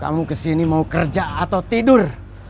kamu kesini mau kerja atau tidur